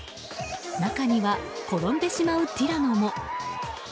中には転んでしまうティラノも。